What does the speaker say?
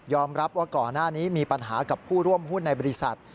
รับว่าก่อนหน้านี้มีปัญหากับผู้ร่วมหุ้นในบริษัท